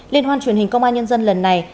liên hoan truyền hình công an nhân dân lần này